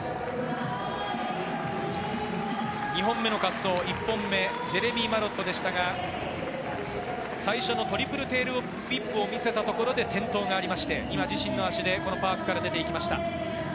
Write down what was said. ２本目の滑走、１本目ジェレミー・マロットでしたが、最初のトリプルテールウィップを見せたところで転倒がありまして今、自身の足でパークから出て行きました。